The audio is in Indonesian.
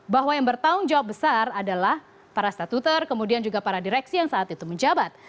bahwa yang bertanggung jawab besar adalah para statuter kemudian juga para direksi yang saat itu menjabat